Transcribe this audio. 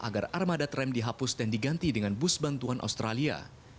agar armada tram dihapus dan diganti dengan bus bantuan australia